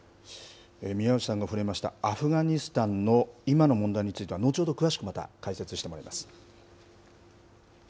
宮内さんも触れました、アフガニスタンの今の問題については、後ほど詳しくまた解説してもらいます。